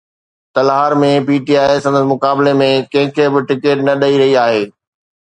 Talhar ۾ P T I سندس مقابلي ۾ ڪنهن کي به ٽڪيٽ نه ڏئي رهي آهي.